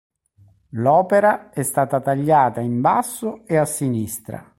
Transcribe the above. L'opera è stata tagliata in basso e a sinistra.